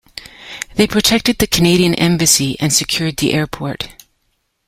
They protected the Canadian embassy and secured the airport.